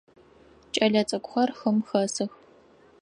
Кӏэлэцӏыкӏухэр хым хэсых.